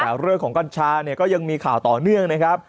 แต่เรื่องของกัญชาเนี่ยก็ยังมีข่าวต่อเนื่องนะครับ